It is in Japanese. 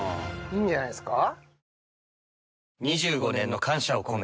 いいんじゃないですか？